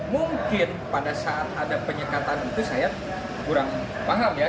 mungkin pada saat ada penyekatan itu saya kurang paham ya